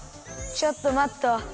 ちょっと待っと。